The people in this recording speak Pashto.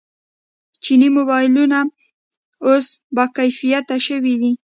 چیني موبایلونه اوس باکیفیته شوي دي.